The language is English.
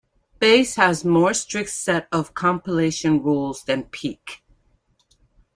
Base has a more strict set of compilation rules than peak.